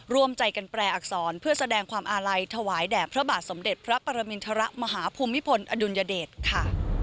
ร่วมใจกันแปลอักษรเพื่อแสดงความอาลัยถวายแด่พระบาทสมเด็จพระปรมินทรมาฮภูมิพลอดุลยเดชค่ะ